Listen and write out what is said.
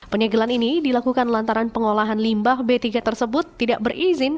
penyegelan ini dilakukan lantaran pengolahan limbah b tiga tersebut tidak berizin